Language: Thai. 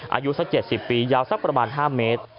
อายุสัก๗๐ปียาวพระบาดสัก๕เมตร